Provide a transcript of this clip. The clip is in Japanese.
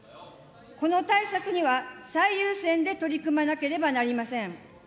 この対策には最優先で取り組まなければなりません。